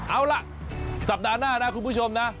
เอาล่ะสัปดาห์หน้านะคุณผู้ชมนะ